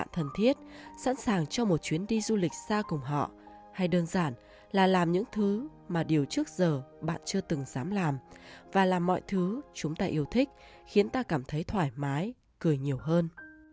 cần thiết sẵn sàng cho một chuyến đi du lịch xa cùng họ hay đơn giản là làm những thứ mà điều trước giờ bạn chưa từng dám làm và làm mọi thứ chúng ta yêu thích khiến ta cảm thấy thoải mái cười nhiều hơn